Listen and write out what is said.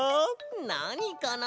なにかな？